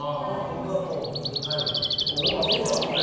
僕はもう本当に頼りにしている。